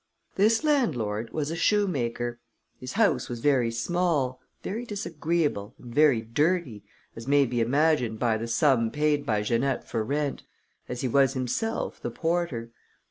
This landlord was a shoemaker; his house was very small, very disagreeable, and very dirty, as may be imagined by the sum paid by Janette for rent, and he was himself the porter.